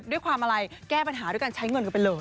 ด้วยความอะไรแก้ปัญหาด้วยการใช้เงินกันไปเลย